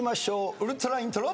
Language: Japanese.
ウルトライントロ。